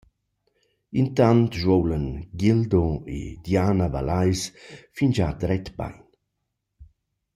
Intant svoulan Gildo e Diana Valais fingià dret bain.